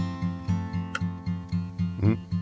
うん？